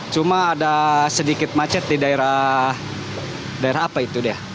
cuma ada sedikit macet di daerah apa itu dia